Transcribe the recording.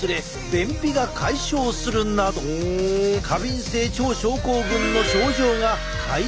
便秘が解消するなど過敏性腸症候群の症状が改善したという。